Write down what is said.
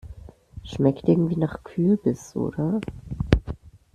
Schmeckt irgendwie nach Kürbis, oder?